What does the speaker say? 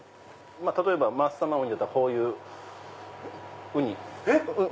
例えばマッサマン雲丹だったらこういうウニ。